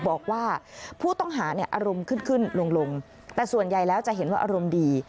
บอกว่าผู้ต้องหาเนี่ยอารมณ์ขึ้นขึ้นลงแต่ส่วนใหญ่แล้วจะเห็นว่าอารมณ์ดี